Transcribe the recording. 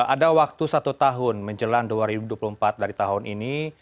ada waktu satu tahun menjelang dua ribu dua puluh empat dari tahun ini